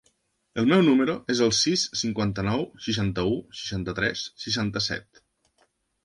El meu número es el sis, cinquanta-nou, seixanta-u, seixanta-tres, seixanta-set.